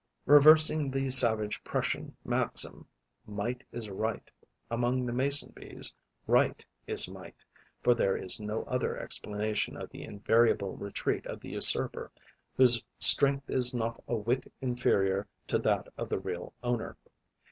Reversing the savage Prussian maxim, 'Might is right,' among the Mason bees right is might, for there is no other explanation of the invariable retreat of the usurper, whose strength is not a whit inferior to that of the real owner.